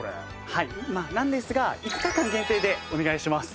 はいなんですが５日間限定でお願いします。